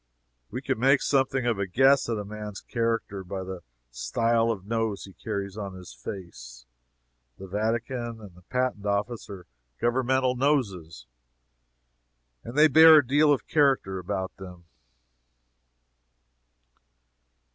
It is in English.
We can make something of a guess at a man's character by the style of nose he carries on his face. The Vatican and the Patent Office are governmental noses, and they bear a deal of character about them.